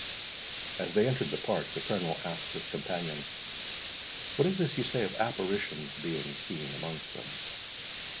As they entered the Park, the Colonel asked his companions, "What is this you say of apparitions being seen amongst them?"